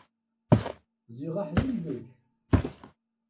Ziɣ aḥlil deg-k!